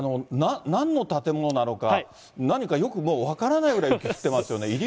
なんの建物なのか、何かよくもう分からないくらい雪降ってますよね。